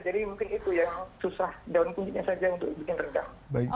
jadi mungkin itu yang susah daun kunyitnya saja untuk bikin redang